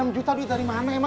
enam juta duit dari mana